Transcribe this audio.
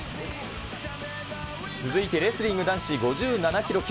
続いてレスリング男子５７キロ級。